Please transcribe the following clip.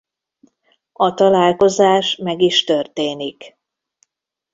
A találkozás meg is történik.